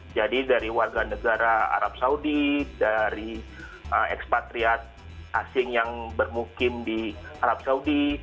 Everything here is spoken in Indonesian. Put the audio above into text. jadi dari warga negara arab saudi dari ekspatriat asing yang bermukim di arab saudi